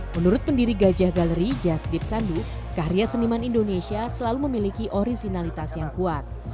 menurut pendiri gajah galeri jasdip sandu karya seniman indonesia selalu memiliki originalitas yang kuat